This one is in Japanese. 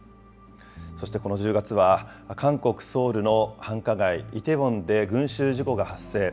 そしてこの１０月は、韓国・ソウルの繁華街、イテウォンで群集事故が発生。